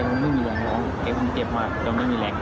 กับมันไม่มีหลังร้องเอกผมเจ็บมากเลยไม่มีแหลง